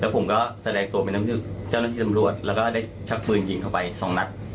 ผมก็แสดงตัวเป็นน้ำยึกเจ้านักที่สำรวจแล้วก็ได้ชักปืนหญิงเข้าไป๒นัก